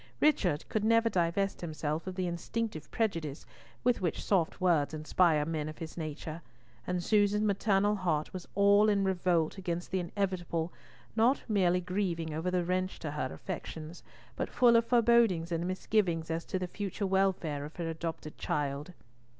Richard could never divest himself of the instinctive prejudice with which soft words inspire men of his nature, and Susan's maternal heart was all in revolt against the inevitable, not merely grieving over the wrench to her affections, but full of forebodings and misgivings as to the future welfare of her adopted child.